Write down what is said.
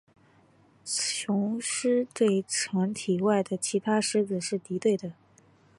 雌狮对团体外的其他狮子是敌对的。